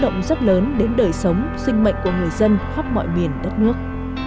động rất lớn đến đời sống sinh mệnh của người dân khắp mọi miền đất nước